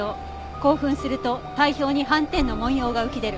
「興奮すると体表に斑点の文様が浮き出る」